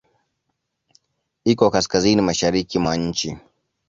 Iko kaskazini-mashariki mwa nchi.